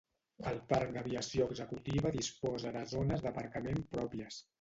El parc d'aviació executiva disposa de zones d'aparcament pròpies.